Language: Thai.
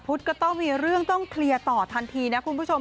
ก็ต้องมีเรื่องต้องเคลียร์ต่อทันทีนะคุณผู้ชม